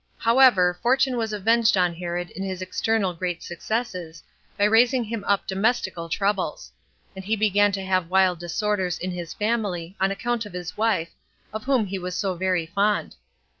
However, fortune was avenged on Herod in his external great successes, by raising him up domestical troubles; and he began to have wild disorders in his family, on account of his wife, of whom he was so very fond.